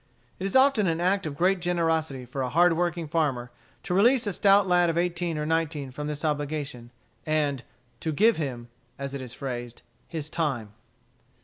It is often an act of great generosity for a hard working farmer to release a stout lad of eighteen or nineteen from this obligation, and "to give him," as it is phrased, "his time."